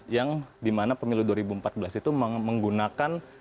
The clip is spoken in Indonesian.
yang dimana pemilu dua ribu empat belas itu menggunakan